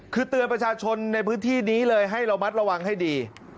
คือเตือนประชาชนในพื้นที่นี้เลยให้ระมัดระวังให้ดี